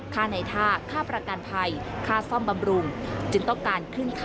ค่าในท่าค่าประการภัยค่าซ่อมบำรุง